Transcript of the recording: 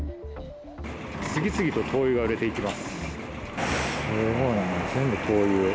次々と灯油が売れていきます。